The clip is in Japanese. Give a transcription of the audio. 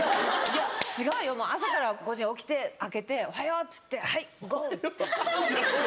違うよ朝から５時起きて開けて「おはよう！」っつって「はいゴー！」って言って。